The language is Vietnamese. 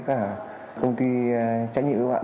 cả công ty trách nhiệm hiểu hạn